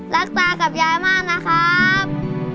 ตากับยายมากนะครับ